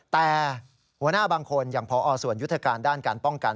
แต่หัวหน้าบางคนอย่างพอส่วนยุทธการด้านการป้องกัน